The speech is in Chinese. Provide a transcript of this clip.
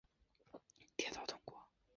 町域北边有东武铁道通过。